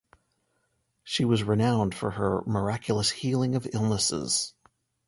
She was renowned for her miraculous healing of illnesses.